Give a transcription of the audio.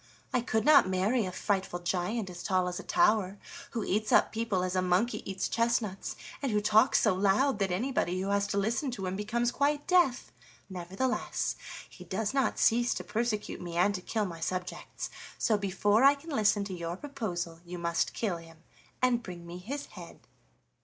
I could not marry a frightful giant as tall as a tower, who eats up people as a monkey eats chestnuts, and who talks so loud that anybody who has to listen to him becomes quite deaf. Nevertheless, he does not cease to persecute me and to kill my subjects. So before I can listen to your proposal you must kill him and bring me his head."